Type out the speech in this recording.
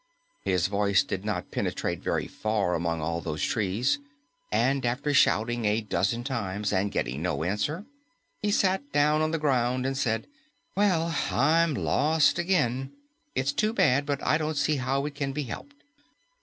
His voice did not penetrate very far among all those trees, and after shouting a dozen times and getting no answer, he sat down on the ground and said, "Well, I'm lost again. It's too bad, but I don't see how it can be helped."